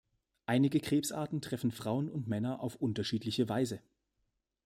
Einige Krebsarten treffen Frauen und Männer auf unterschiedliche Weise.